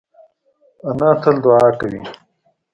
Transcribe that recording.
انا تل دعا کوي